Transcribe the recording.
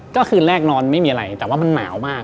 ก็คือแรกนอนไม่มีอะไรแต่ว่ามันหนาวมาก